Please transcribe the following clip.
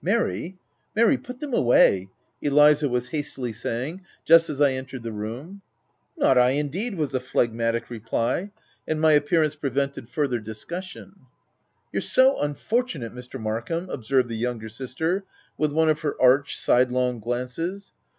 u Mary — Mary ! put them away !" Eliza was hastily saying just as I entered the room. OF WILDFELL HALL. 39 " Not I, indeed !" was the phlegmatic reply ; and my appearance prevented further discus sion. < c You're so unfortunate, Mr. Markham!" ob served the younger sister, with one of her arch, sidelong glances.